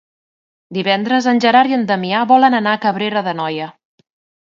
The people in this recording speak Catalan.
Divendres en Gerard i en Damià volen anar a Cabrera d'Anoia.